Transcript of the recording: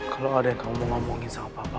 kalau ada yang kamu mau ngomongin sama papa